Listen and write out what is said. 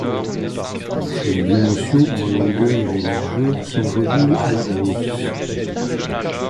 Ses dimensions en longueur et largeur sont revues à la hausse.